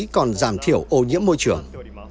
còn giảm thiểu ô nhiễm môi trường